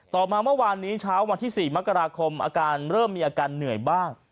มาเมื่อวานนี้เช้าวันที่๔มกราคมอาการเริ่มมีอาการเหนื่อยบ้าง